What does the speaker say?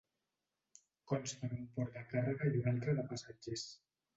Consta d'un port de càrrega i un altre de passatgers.